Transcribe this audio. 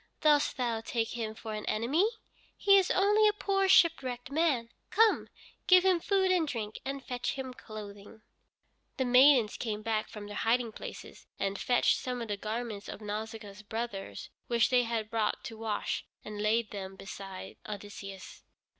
Dost thou take him for an enemy? He is only a poor shipwrecked man. Come, give him food and drink, and fetch him clothing." The maidens came back from their hiding places, and fetched some of the garments of Nausicaa's brothers which they had brought to wash, and laid them beside Odysseus.